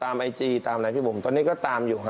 ตามไอจีหรือตามไหนพี่บุ๋มตอนนี้ก็ตามอยู่